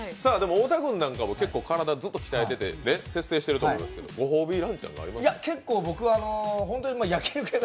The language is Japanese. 太田君なんかも結構、体鍛えてて節制していると思いますがご褒美ランチはありますか？